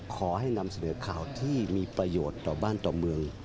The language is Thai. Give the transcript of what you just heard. ขอให้นำเสนอข่าวที่มีประโยชน์ต่อบ้านต่อเมือง